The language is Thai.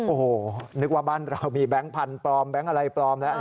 โอ้โฮนึกว่าบ้านเรามีแบงก์พันปลอมแบงก์อะไรปลอม